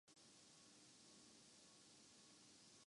batting line کو ازسر نو مرتب کرنے کی ضرورت ہے